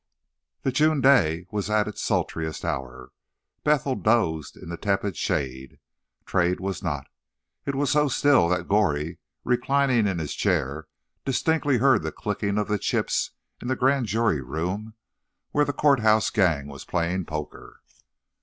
The June day was at its sultriest hour. Bethel dozed in the tepid shade. Trade was not. It was so still that Goree, reclining in his chair, distinctly heard the clicking of the chips in the grand jury room, where the "court house gang" was playing poker.